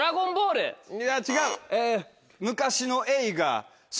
いや違う。